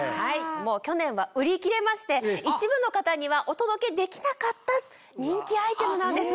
去年は売り切れまして一部の方にはお届けできなかった人気アイテムなんです。